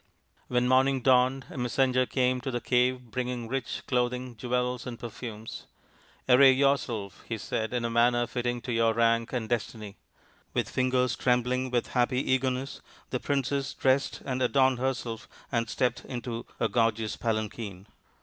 When morning dawned a messenger came to the cave bringing rich clothing, jewels, and perfumes. " Array yourself," he said, " in a manner fitting to your rank and destiny." With fingers trembling with happy eagerness the princess dressed and adorned herself and stepped into a gorgeous palanquin.